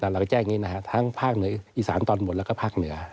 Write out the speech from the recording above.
แต่เราก็แจ้งอย่างนี้นะฮะทั้งภาคเหนืออีสานตอนบนแล้วก็ภาคเหนือ